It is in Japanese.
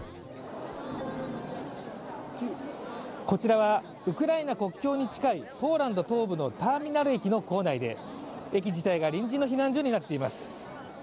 こちらはウクライナ国境に近いポーランド東部のターミナル駅の構内で、駅自体が臨時の避難所になっています。